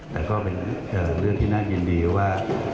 แต่ก็เป็นเรื่องที่น่ายินดีว่า